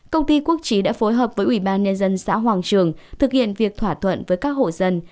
công ty quốc trí đã phối hợp với ủy ban nhân dân xã hoàng trường thực hiện việc thỏa thuận với các hộ dân